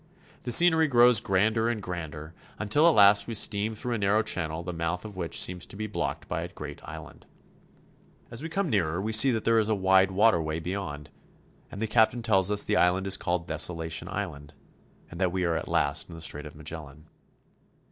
The scenery grows grander and grander, STRAIT OF MAGELLAN. 157 until at last we steam through a narrow channel the mouth of which seems to be blocked by a great island. As we come nearer we see that there is a wide waterway beyond, and the captain tells us the island is called Desola tion Island, and that we are at last in the Strait of Magellan. Strait of Magellan.